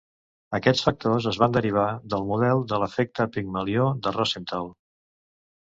Aquests factors es van derivar del model de l'efecte Pigmalió de Rosenthal.